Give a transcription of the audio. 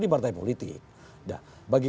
di partai politik nah bagi